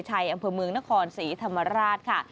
อำเภอเมืองนครศรีธรรมราชค่ะ